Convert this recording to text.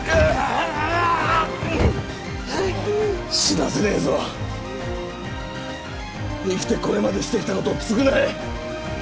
死なせねえぞ生きてこれまでしてきたことを償え！